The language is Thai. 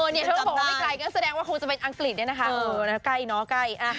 เธอก็บอกว่าไม่ไกลก็แสดงว่าคงจะเป็นอังกฤษเนี่ยนะคะใกล้เนาะใกล้